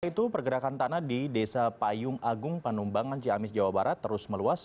selain itu pergerakan tanah di desa payung agung penumbangan ciamis jawa barat terus meluas